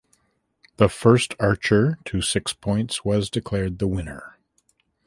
The first archer to six points was declared the winner.